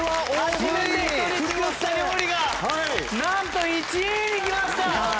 初めて人に作った料理がなんと１位にきました！